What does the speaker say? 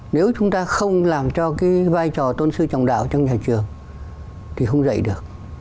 nếu chúng ta không làm cho cái vai trò tôn sư trọng đạo trong nhà trường thì không dạy được